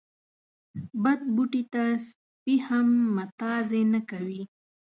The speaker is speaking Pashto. بد بوټي ته سپي هم متازې نه کوي.